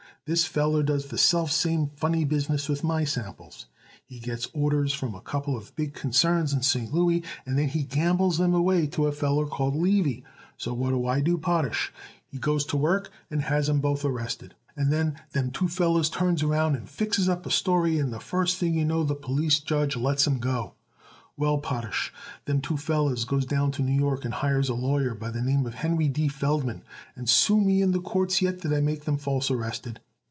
This feller does the selfsame funny business with my samples. He gets orders from a couple of big concerns in St. Louis and then he gambles them away to a feller called Levy. So what do I do, Potash? He goes to work and has 'em both arrested, and then them two fellers turns around and fixes up a story and the first thing you know the police judge lets 'em go. Well, Potash, them two fellers goes down to New York and hires a lawyer, by the name Henry D. Feldman, and sue me in the courts yet that I made them false arrested.